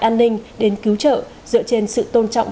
an ninh đến cứu trợ dựa trên sự tôn trọng